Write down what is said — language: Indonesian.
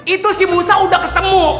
itu si musa udah ketemu